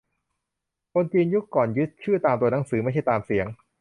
คนจีนยุคก่อนยึดชื่อตามตัวหนังสือ ไม่ใช่ตามเสียง